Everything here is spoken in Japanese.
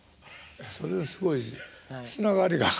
それはすごいつながりが。